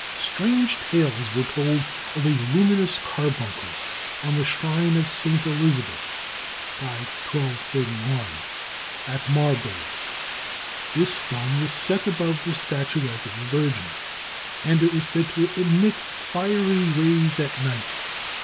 Strange tales were told of a luminous "carbuncle" on the shrine of St. Elizabeth (d. 1231) at Marburg. This stone was set above the statuette of the Virgin, and it was said to emit fiery rays at night.